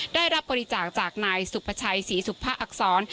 ได้รับบริจาคจากนายสุภาชัยศรีสุภาอักษร